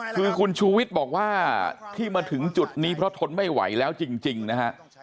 คือคุณชูวิทย์บอกว่าที่มาถึงจุดนี้เพราะทนไม่ไหวแล้วจริงนะฮะ